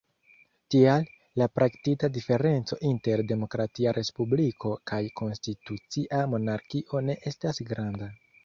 Tial, la praktika diferenco inter demokratia respubliko kaj konstitucia monarkio ne estas granda.